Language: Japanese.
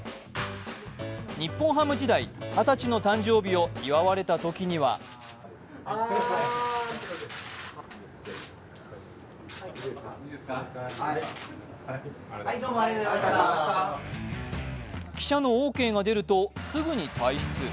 日本ハム時代、二十歳の誕生日を祝われたときには記者のオーケーが出るとすぐに退出。